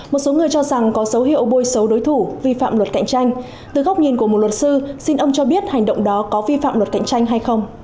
một số người cho rằng có dấu hiệu bôi xấu đối thủ vi phạm luật cạnh tranh từ góc nhìn của một luật sư xin ông cho biết hành động đó có vi phạm luật cạnh tranh hay không